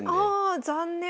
ああ残念。